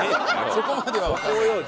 そこまではわかんない。